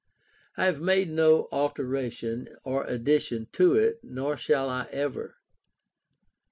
I have made no alteration or addition to it, nor shall I ever.